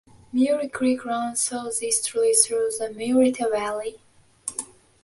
Murrieta Creek runs southeasterly through the Murrieta Valley.